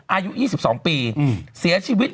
อายุ๒๒ปีเสียชีวิต